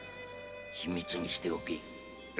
秘密にしておけ〕